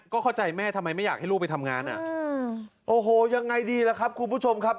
ก็เข้าใจแม่ทำไมไม่อยากให้ลูกไปทำงานอ่ะโอ้โหยังไงดีล่ะครับคุณผู้ชมครับ